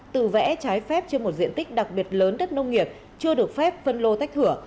tự vẽ trái phép trên một diện tích đặc biệt lớn đất nông nghiệp chưa được phép phân lô tách thửa